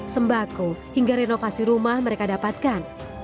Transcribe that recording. sembako hingga renovasi rumah mereka dapatkan